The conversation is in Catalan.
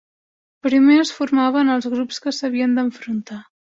Primer es formaven els grups que s’havien d’enfrontar.